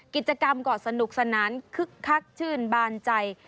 กิจกรรมก็สนุกสนานคึกคักชื่นบานใจ